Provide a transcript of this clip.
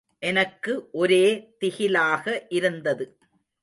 எனக்கு ஒரே திகிலாக இருந்தது.